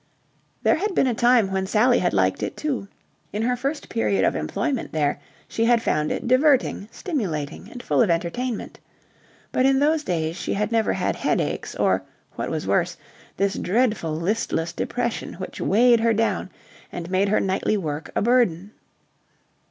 There had been a time when Sally had liked it, too. In her first period of employment there she had found it diverting, stimulating and full of entertainment. But in those days she had never had headaches or, what was worse, this dreadful listless depression which weighed her down and made her nightly work a burden.